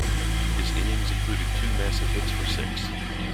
His innings included two massive hits for six.